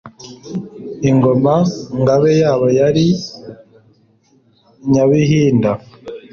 Ingoma –Ngabe yabo yari “Nyabihinda “